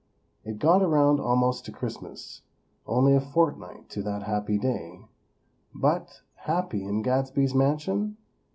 It got around almost to Christmas, only a fortnight to that happy day; but, happy in Gadsby's mansion?